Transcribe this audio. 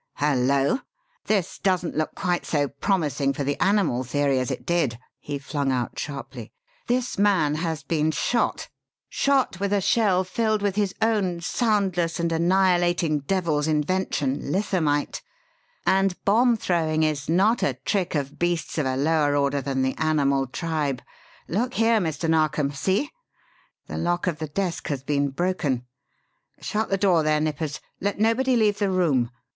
"Hullo! this doesn't look quite so promising for the animal theory as it did!" he flung out sharply. "This man has been shot shot with a shell filled with his own soundless and annihilating devil's invention, lithamite and bomb throwing is not a trick of beasts of a lower order than the animal tribe! Look here, Mr. Narkom see! The lock of the desk has been broken. Shut the door there, Nippers. Let nobody leave the room.